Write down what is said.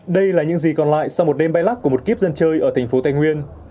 đây là những gì còn lại sau một đêm bay lắc của một kíp dân chơi ở thành phố tây nguyên